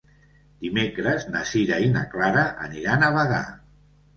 Dimecres na Sira i na Clara aniran a Bagà.